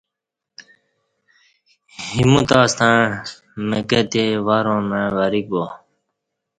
ایمو تہ ستݩع مکہ تے وراں مع وریک با